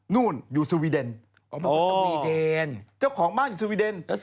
นู่นอยู่สวีเดนสวีเดนเจ้าของบ้านอยู่สวีเดน